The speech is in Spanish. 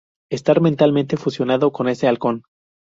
Estar mentalmente fusionado con ese halcón.